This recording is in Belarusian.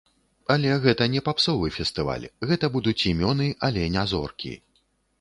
Але гэта не папсовы фестываль, гэта будуць імёны, але не зоркі.